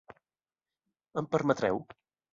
Em permetreu?